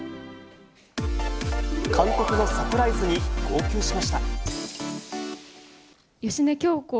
監督のサプライズに号泣しま